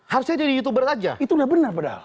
harusnya jadi youtuber aja itu udah benar padahal